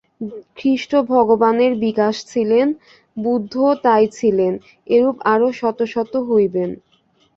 খ্রীষ্ট ভগবানের বিকাশ ছিলেন, বুদ্ধও তাই ছিলেন, এরূপ আরও শত শত হইবেন।